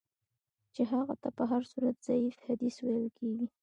چي هغه ته په هر صورت ضعیف حدیث ویل کیږي.